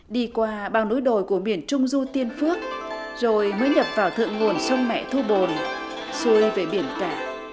đi qua bao núi đồi của miền trung du tiên phước rồi mới nhập vào thượng nguồn sông mẹ thu bồn xuôi về biển cả